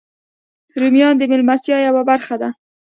رومیان د میلمستیا یوه برخه ده